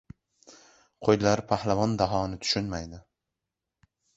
Qo‘ylar Pahlavon Dahoni tushunmaydi!